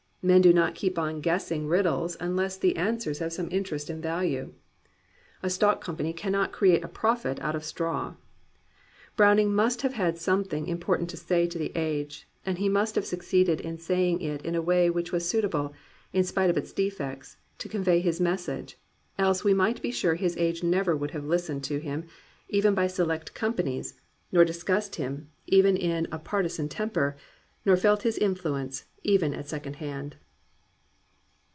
Men do not keep on guessing riddles unless the answers have some interest and value. A stock company cannot create a prophet out of straw. Browning must have had something im portant to say to the age, and he must have suc ceeded in saying it in a way which was suitable, in spite of its defects, to convey his message, else we may be sure his age never would have listened to him, even by select companies, nor discussed 244 GLORY OF THE IMPERFECT" him, even in a partisan temper, nor felt his influence, even at second hand.